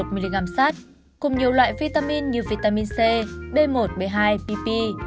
cùng một một mg sát cùng nhiều loại vitamin như vitamin c b một b hai pp